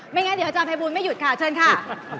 งั้นเดี๋ยวอาจารย์ภัยบูลไม่หยุดค่ะเชิญค่ะ